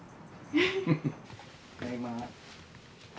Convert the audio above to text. ただいま。